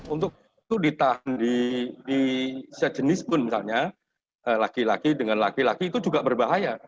untuk itu ditahan di sejenis pun misalnya laki laki dengan laki laki itu juga berbahaya